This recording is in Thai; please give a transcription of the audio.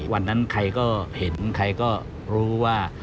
วันนั้นใครก็เห็นใครก็รู้ว่า